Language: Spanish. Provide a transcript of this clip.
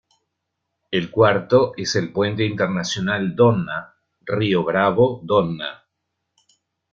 El cuarto es el Puente Internacional "Donna" Río Bravo-Donna.